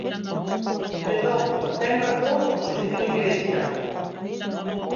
Perdón, ten razón o señor Igrexa.